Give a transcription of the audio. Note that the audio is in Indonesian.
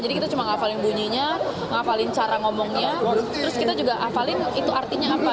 jadi kita cuma menghafalkan bunyinya menghafalkan cara ngomongnya terus kita juga menghafalkan artinya apa